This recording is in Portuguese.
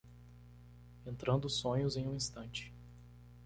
Entrando sonhos em um instante